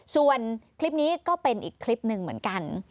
ส่วนคลิปนี้ก็เป็นอีกคลิปหนึ่งเหมือนกัน